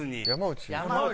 山内。